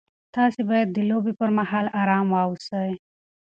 تاسي باید د لوبې پر مهال ارام واوسئ.